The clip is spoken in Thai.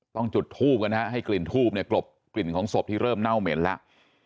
ต้องจุดทูบกันนะฮะให้กลิ่นทูบเนี่ยกลบกลิ่นของศพที่เริ่มเน่าเหม็นแล้ว